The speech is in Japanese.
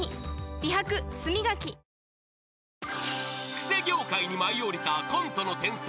［クセ業界に舞い降りたコントの天才］